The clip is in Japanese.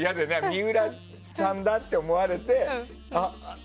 水卜さんだって思われてあっ！